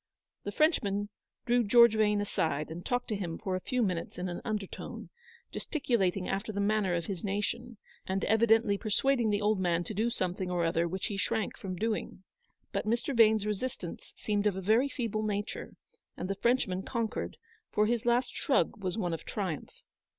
The Frenchman drew George Yane aside, and talked to him for a few minutes in an undertone, gesticulating after the manner of his nation, and evidently persuading the old man to do something or other which he shrank from doing. But Mr. Vane's resistance seemed of a very feeble nature, and the Frenchman conquered, for his last shrug was one of triumph.